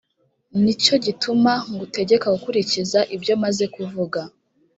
ni cyo gituma ngutegeka gukurikiza ibyo maze kuvuga.